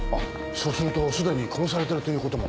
そうするとすでに殺されてるという事も？